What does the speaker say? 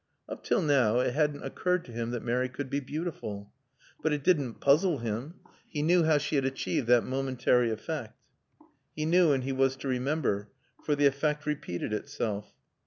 Up till now it hadn't occurred to him that Mary could be beautiful. But it didn't puzzle him. He knew how she had achieved that momentary effect. He knew and he was to remember. For the effect repeated itself.